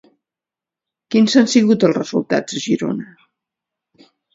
Quins han sigut els resultats a Girona?